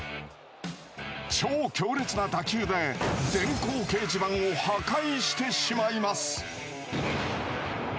超強烈な打球で、電光掲示板を破壊してしまいます。